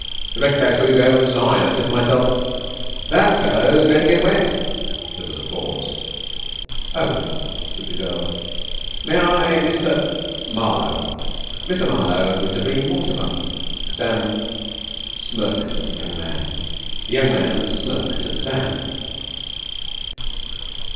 "Directly I saw you go over the side I said to myself: 'That fellow's going to get wet!'" There was a pause. "Oh!" said the girl, "may I Mr. ?" "Marlowe." "Mr. Marlowe. Mr. Bream Mortimer." Sam smirked at the young man. The young man smirked at Sam.